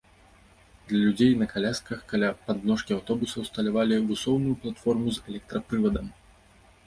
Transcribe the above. Для людзей на калясках каля падножкі аўтобуса ўсталявалі высоўную платформу з электрапрывадам.